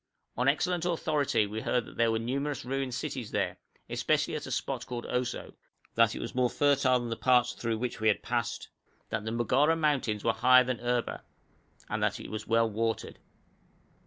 On excellent authority we heard that there were numerous ruined cities there, especially at a spot called Oso; that it was more fertile than the parts through which we had passed; that the Mogarra mountains were higher than Erba; and that it was well watered.